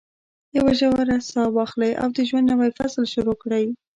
یوه ژوره ساه واخلئ او د ژوند نوی فصل شروع کړئ.